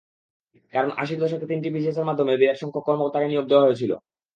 কারণ, আশির দশকে তিনটি বিসিএসের মাধ্যমে বিরাটসংখ্যক কর্মকর্তাকে নিয়োগ দেওয়া হয়েছিল।